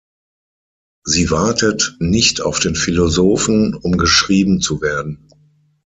Sie wartet nicht auf den Philosophen, um geschrieben zu werden.